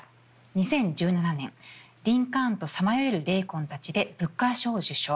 ２０１７年「リンカーンとさまよえる霊魂たち」でブッカー賞受賞。